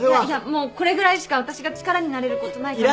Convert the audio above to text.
もうこれぐらいしか私が力になれることないからさ。